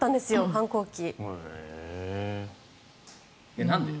反抗期。